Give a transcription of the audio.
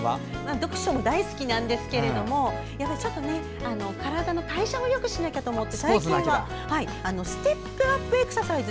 読書も大好きなんですけれども体の代謝をよくしなきゃいけないと思って最近はステップアップエクササイズ。